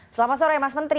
selamat sore mas menteri